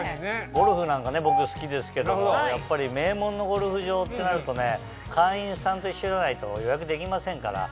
ゴルフなんか僕好きですけどやっぱり名門のゴルフ場ってなると会員さんと一緒じゃないと予約できませんから。